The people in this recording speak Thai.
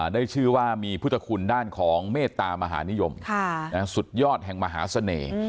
ได้ชื่อว่ามีพุทธคุณด้านของเมตตามหานิยมสุดยอดแห่งมหาเสน่ห์